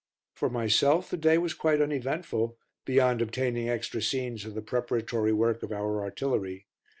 For myself the day was quite uneventful, beyond obtaining extra scenes of the preparatory work of our artillery.